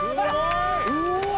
うわ！